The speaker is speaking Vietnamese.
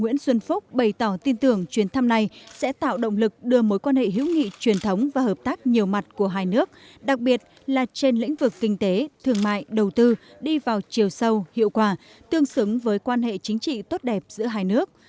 nguyễn xuân phúc bày tỏ tin tưởng chuyến thăm này sẽ tạo động lực đưa mối quan hệ hữu nghị truyền thống và hợp tác nhiều mặt của hai nước đặc biệt là trên lĩnh vực kinh tế thương mại đầu tư đi vào chiều sâu hiệu quả tương xứng với quan hệ chính trị tốt đẹp giữa hai nước